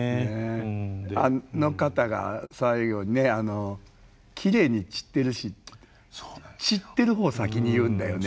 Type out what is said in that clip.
あの方が最後に「きれいに散ってるし」。散ってる方を先に言うんだよね。